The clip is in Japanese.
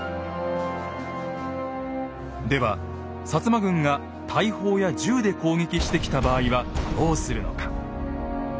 では摩軍が大砲や銃で攻撃してきた場合はどうするのか。